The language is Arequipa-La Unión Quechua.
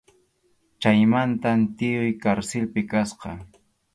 Chaymantam tiyuy karsilpi kasqa.